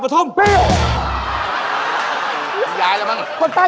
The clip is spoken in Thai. จับข้าว